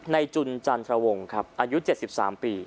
จุนจันทรวงครับอายุ๗๓ปี